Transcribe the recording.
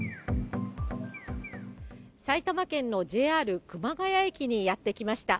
埼玉県のＪＲ熊谷駅にやって来ました。